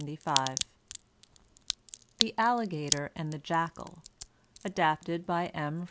THE ALLIGATOR AND THE JACKAL ADAPTED BY M.